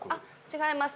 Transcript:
違います。